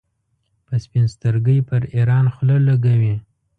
په سپین سترګۍ پر ایران خوله لګوي.